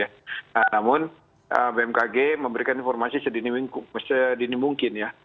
nah namun bmkg memberikan informasi sedini mungkin ya